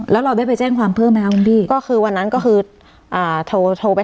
แล้วเราได้ไปแจ้งความเพิ่มไหมครับคุณพี่